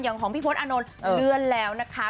ของพี่พศอานนท์เลื่อนแล้วนะคะ